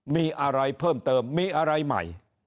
มีอะไรเพิ่มเติมมีอะไรใหม่